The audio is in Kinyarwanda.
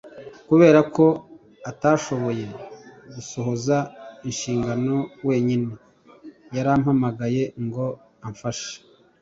kubera ko atashoboye gusohoza inshingano wenyine, yarampamagaye ngo amfashe